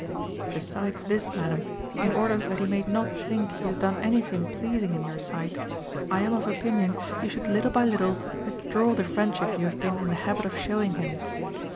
Besides this, madam, in order that he may not think he has done anything pleasing in your sight, I am of opinion you should little by little withdraw the friendship you have been in the habit of showing him.